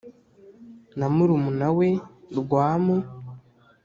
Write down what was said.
na murumuna we rwamu